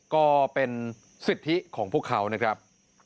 ก็เป็นสิทธิของพวกเขานะครับ